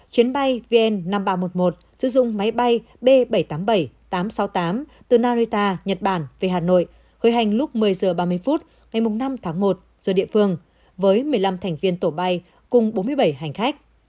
chuyến bay vn năm nghìn ba trăm một mươi một sử dụng máy bay b bảy trăm tám mươi bảy tám trăm sáu mươi tám từ narita nhật bản về hà nội khởi hành lúc một mươi h ba mươi phút ngày năm tháng một giờ địa phương với một mươi năm thành viên tổ bay cùng bốn mươi bảy hành khách